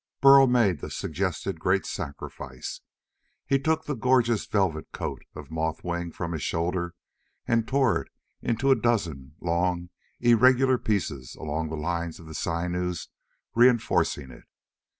Burl made the suggested great sacrifice. He took the gorgeous velvet cloak of moth wing from his shoulder and tore it into a dozen long, irregular pieces along the lines of the sinews reinforcing it.